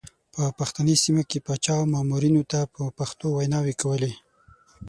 په پښتني سیمو کې پاچا او مامورینو ته په پښتو ویناوې کولې.